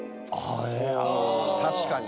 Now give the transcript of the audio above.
確かに。